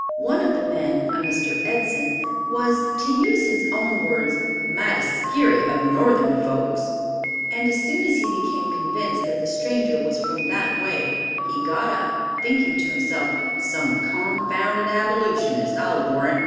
One of the men, a Mr. Edson, was, to use his own words, "mighty skeary of Northern folks," and as soon as he became convinced that the stranger was from that way, he got up, thinking to himself, "Some confounded Abolitionist, I'll warrant.